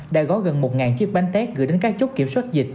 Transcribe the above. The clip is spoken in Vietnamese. đã có gần một chiếc bánh tét gửi đến các chốt kiểm soát dịch